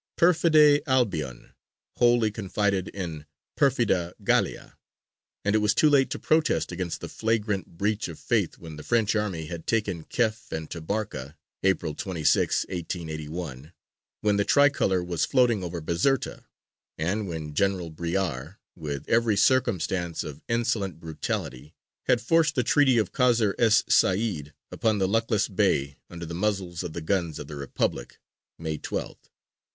"Perfide Albion" wholly confided in "Perfida Gallia," and it was too late to protest against the flagrant breach of faith when the French army had taken Kef and Tabarka (April 26, 1881), when the tricolor was floating over Bizerta, and when General Bréart, with every circumstance of insolent brutality, had forced the Treaty of Kasr es Sa'īd upon the luckless Bey under the muzzles of the guns of the Republic (May 12th).